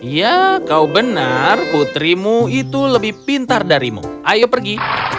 ya kau benar putrimu itu lebih pintar darimu ayo pergi